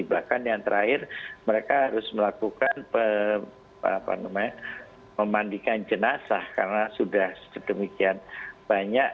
bahkan yang terakhir mereka harus melakukan memandikan jenazah karena sudah sedemikian banyak